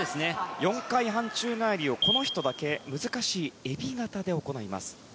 ４回半宙返りをこの人だけ難しいえび型で行います。